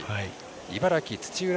茨城土浦